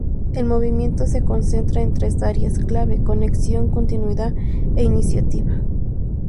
El movimiento se concentra en tres áreas clave: conexión, continuidad e iniciativa.